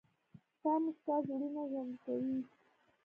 • ستا موسکا زړونه ژوندي کوي.